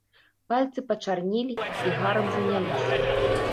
Пальцы пачарнелі і гарам заняліся.